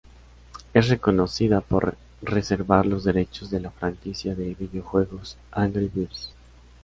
Es reconocida por reservar los derechos de la franquicia de videojuegos "Angry Birds".